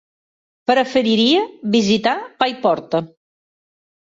Preferiria visitar Paiporta.